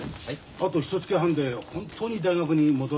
あとひとつき半で本当に大学に戻られる気ですか？